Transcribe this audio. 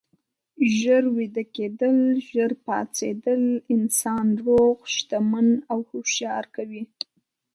ژر ویده کیدل، ژر پاڅیدل انسان روغ، شتمن او هوښیار کوي.